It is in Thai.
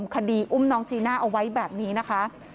คดีอุ้มน้องจีน่าเอาไว้แบบนี้นะคะ